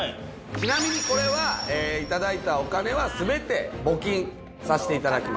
ちなみにこれはいただいたお金は全て募金させていただきます。